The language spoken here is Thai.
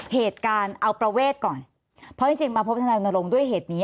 เหตุการณ์เอาประเวทก่อนเพราะจริงจริงมาพบทนายรณรงค์ด้วยเหตุนี้